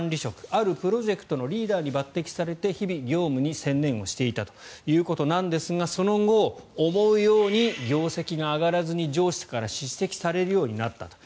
あるプロジェクトのリーダーに抜てきされて日々業務に専念したということですがその後、思うように業績が上がらずに上司から叱責されるようになったと。